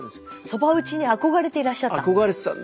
そば打ちに憧れていらっしゃった。